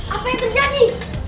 apa yang terjadi